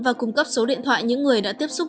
và cung cấp số điện thoại những người đã tiếp xúc